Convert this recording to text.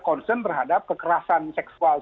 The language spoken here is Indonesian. konsen terhadap kekerasan seksual